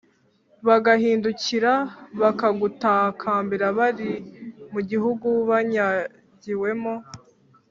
bagahindukira bakagutakambira bari mu gihugu banyagiwemo,